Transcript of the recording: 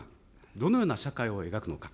どのような社会を描くのか。